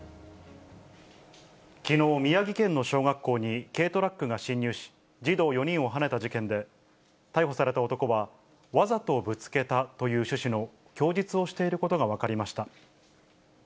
きのう、宮城県の小学校に軽トラックが侵入し、児童４人をはねた事件で、逮捕された男は、わざとぶつけたという趣旨の供述をしていることが分かりました。